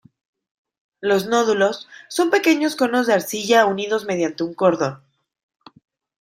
Los nódulos son pequeños conos de arcilla unidos mediante un cordón.